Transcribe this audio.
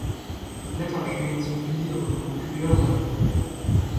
Die Blätter stehen zu vieren in Quirlen.